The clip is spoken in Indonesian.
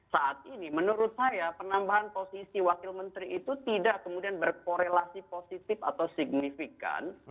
saat ini menurut saya penambahan posisi wakil menteri itu tidak kemudian berkorelasi positif atau signifikan